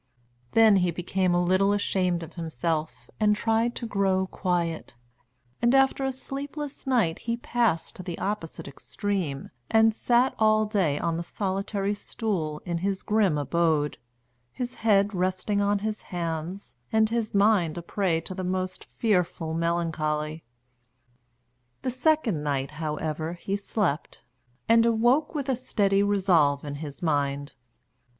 Then he became a little ashamed of himself and tried to grow quiet, and after a sleepless night he passed to the opposite extreme and sat all day long on the solitary stool in his grim abode, his head resting on his hands, and his mind a prey to the most fearful melancholy. The second night, however, he slept, and awoke with a steady resolve in his mind.